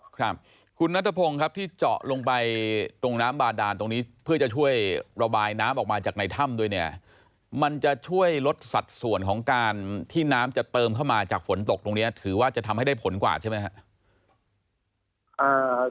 ครับคุณนัทพงศ์ครับที่เจาะลงไปตรงน้ำบาดานตรงนี้เพื่อจะช่วยระบายน้ำออกมาจากในถ้ำด้วยเนี่ยมันจะช่วยลดสัดส่วนของการที่น้ำจะเติมเข้ามาจากฝนตกตรงนี้ถือว่าจะทำให้ได้ผลกว่าใช่ไหมครับ